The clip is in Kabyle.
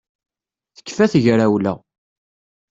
Tekfa tegrawla